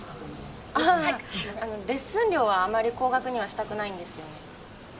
あああのレッスン料はあまり高額にはしたくないんですよね